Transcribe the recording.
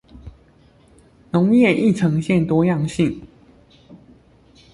農業亦呈現多樣性